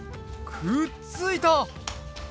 くっついた！